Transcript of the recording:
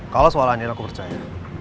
kalau soalnya ending aku percaya